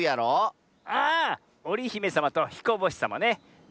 ああおりひめさまとひこぼしさまね。